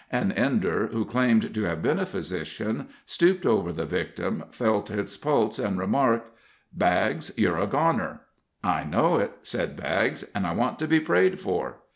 An Ender, who claimed to have been a physician, stooped over the victim, felt his pulse, and remarked: "Baggs, you're a goner." "I know it," said Baggs; "and I want to be prayed for."